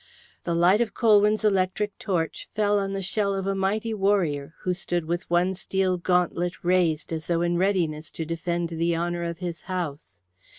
The light of Colwyn's electric torch fell on the shell of a mighty warrior who stood with one steel gauntlet raised as though in readiness to defend the honour of his house.